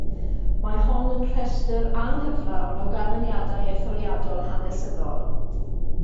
Mae hon yn rhestr anghyflawn o ganlyniadau etholiadol hanesyddol.